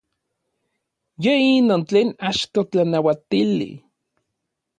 Yej inon tlen achtoj tlanauatili.